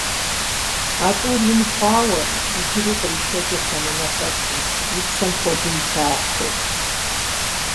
А тӀур ин хъуауэ, иджыри къришэкӀырт анэнэпӀэсым, и псэм хуэдэу илъагъухэу.